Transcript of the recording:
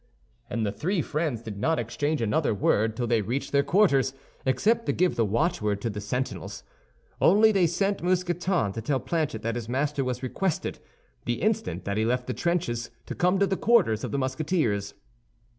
And the three friends did not exchange another word till they reached their quarters, except to give the watchword to the sentinels. Only they sent Mousqueton to tell Planchet that his master was requested, the instant that he left the trenches, to come to the quarters of the Musketeers.